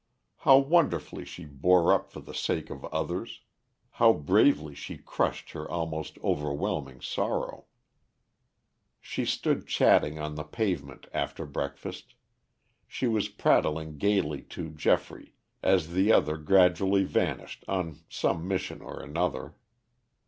How wonderfully she bore up for the sake of others; how bravely she crushed her almost overwhelming sorrow. She stood chatting on the pavement after breakfast. She was prattling gayly to Geoffrey, as the other gradually vanished on some mission or another.